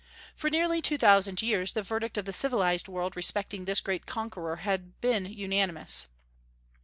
For nearly two thousand years the verdict of the civilized world respecting this great conqueror has been unanimous.